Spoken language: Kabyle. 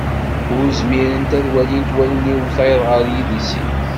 Ur zmirent ad walint wallen-iw tayeḍ ɣer yidis-ik.